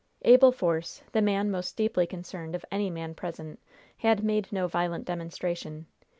Abel Force, the man most deeply concerned of any man present, had made no violent demonstration.